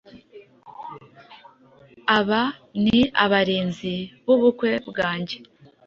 Aba ni abarinzi b'ubukwe bwanjye,